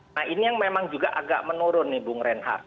nah ini yang memang juga agak menurun nih bung reinhardt